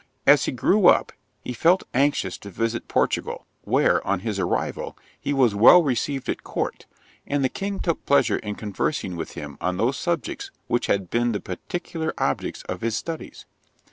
As he grew up, he felt anxious to visit Portugal, where, on his arrival, he was well received at court, and the king took pleasure in conversing with him on those subjects which had been the particular objects of his studies.